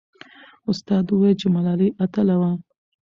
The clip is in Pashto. استاد وویل چې ملالۍ اتله وه.